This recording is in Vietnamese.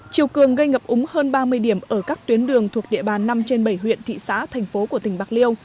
chiều cường gây ngập úng hơn ba mươi điểm ở các tuyến đường thuộc địa bàn năm trên bảy huyện thị xã thành phố của tỉnh bạc liêu